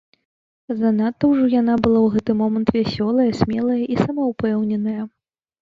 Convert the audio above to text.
Занадта ўжо яна была ў гэты момант вясёлая, смелая і самаўпэўненая.